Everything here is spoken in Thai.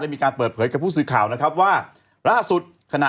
มีการเปิดเผยกับผู้สื่อข่าวนะครับว่าล่าสุดขณะ